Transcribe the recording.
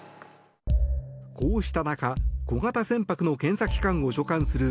こうした中小型船舶の検査機関を所管する